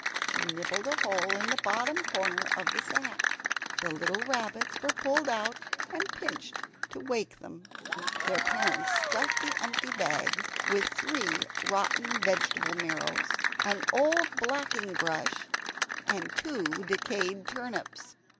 She nibbled a hole in the bottom corner of the sack. The little rabbits were pulled out and pinched to wake them. Their parents stuffed the empty sack with three rotten vegetable marrows, an old blackingbrush and two decayed turnips.